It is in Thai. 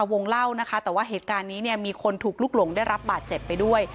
วงเล่านะคะแต่ว่าเหตุการณ์นี้เนี่ยมีคนถูกลุกหลงได้รับบาดเจ็บไปด้วย